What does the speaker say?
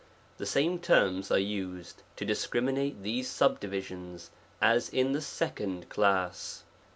The same terms are used to discriminate these subdivisions as . *s>9 in the second class.